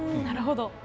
なるほど。